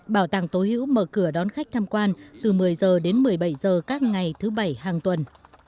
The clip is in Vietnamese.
bảo tàng tố hữu mở cửa đón khách tham quan từ một mươi h đến một mươi bảy h các ngày thứ bảy hàng tuần